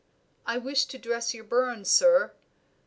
"I wish to dress your burns, sir."